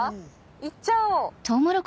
行っちゃおう。